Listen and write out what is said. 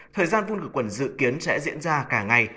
thời gian phun khử quần dự kiến sẽ diễn ra cả ngày